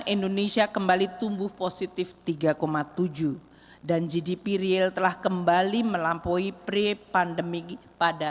indonesia kembali tumbuh positif tiga tujuh dan gdp real telah kembali melampaui pre pandemic pada